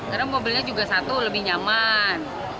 karena mobilnya juga satu lebih nyaman